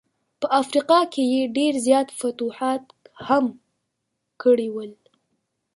په افریقا کي یې ډېر زیات فتوحات هم کړي ول.